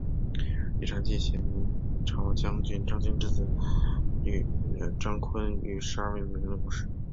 玉蟾记写明朝将军张经之子张昆与十二位美人的故事。